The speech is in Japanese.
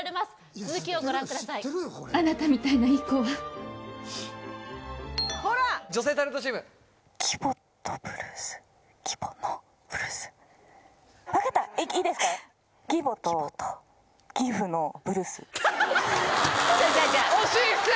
続きをご覧くださいあなたみたいないい子は女性タレントチームいいですか？